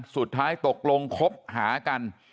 สุดท้ายตกลงคบหากัน